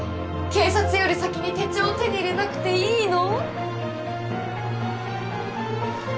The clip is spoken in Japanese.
警察より先に手帳を手に入れなくていいの？